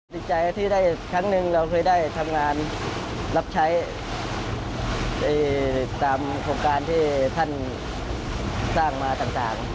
ดีใจที่ได้ครั้งหนึ่งเราเคยได้ทำงานรับใช้ตามโครงการที่ท่านสร้างมาต่าง